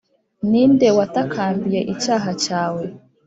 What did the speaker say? ni nde watakambiye icyaha cyawe,